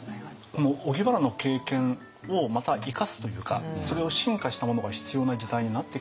この荻原の経験をまた生かすというかそれを進化したものが必要な時代になってきたよねと。